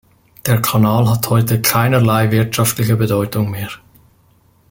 Der Kanal hat heute keinerlei wirtschaftliche Bedeutung mehr.